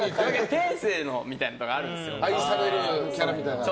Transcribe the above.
天性の、みたいなのもあるんですよ。